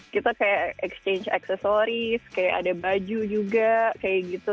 kita kayak exchange aksesoris kayak ada baju juga kayak gitu